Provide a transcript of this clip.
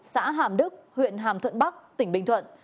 xã hàm đức huyện hàm thuận bắc tỉnh bình thuận